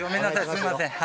すみません。